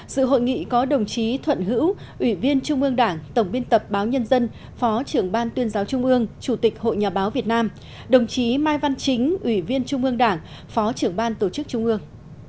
sự hội nghị có đồng chí thuận hữu ủy viên trung ương đảng tổng biên tập báo nhân dân phó trưởng ban tuyên giáo trung ương chủ tịch hội nhà báo việt nam đồng chí mai văn chính ủy viên trung ương đảng phó trưởng ban tổ chức trung ương